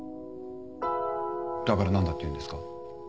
だからなんだって言うんですか？